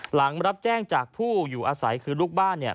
หลังรับแจ้งจากผู้อยู่อาศัยคือลูกบ้านเนี่ย